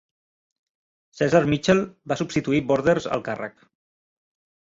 Ceasar Mitchell va substituir Borders al càrrec.